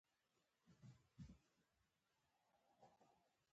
توبه وکړئ